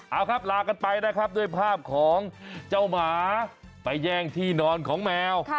เอาครับลากันไปนะครับด้วยภาพของเจ้าหมาไปแย่งที่นอนของแมว